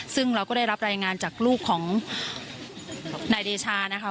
ซึ่งเราก็ได้รับรายงานจากลูกของนายเดชานะคะ